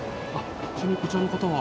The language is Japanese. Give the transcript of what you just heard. ちなみにこちらの方は？